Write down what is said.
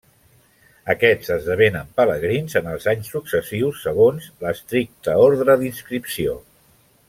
Aquests esdevenen Pelegrins en els anys successius segons l'estricte ordre d'inscripció.